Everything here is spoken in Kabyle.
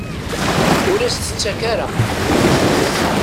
Ur as-t-ttakk ara.